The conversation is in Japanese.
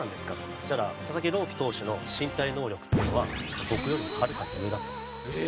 そしたら佐々木朗希投手の身体能力っていうのは僕よりも遥かに上だと。ええー！